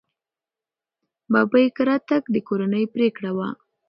ببۍ کره تګ د کورنۍ پرېکړه وه.